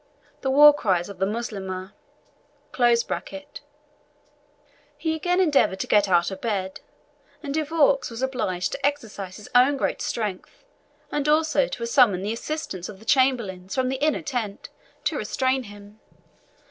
[The war cries of the Moslemah.] He again endeavoured to get out of bed, and De Vaux was obliged to exercise his own great strength, and also to summon the assistance of the chamberlains from the inner tent, to restrain him.